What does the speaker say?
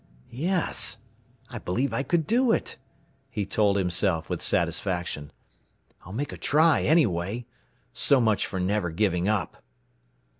"Yes, I believe I could do it," he told himself with satisfaction. "I'll make a try anyway. So much for never giving up."